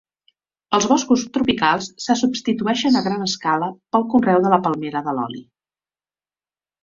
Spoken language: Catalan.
Els boscos tropicals se substitueixen a gran escala pel conreu de la palmera de l'oli.